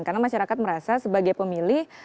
karena masyarakat merasa sebagai pemilih